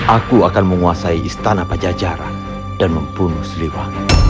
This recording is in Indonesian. aku akan menguasai istana pajajara dan membunuh sliwa